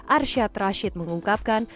arsyad rashid mengungkapkan